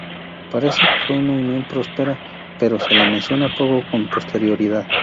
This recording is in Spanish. Parece que fue una unión próspera, pero se la menciona poco con posterioridad.